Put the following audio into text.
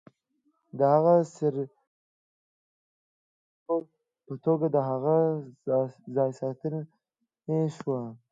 هغه د سرمیلټن د ورور په توګه د هغه ځایناستی شو.